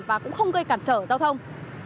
và cũng không gây cản trở giao thông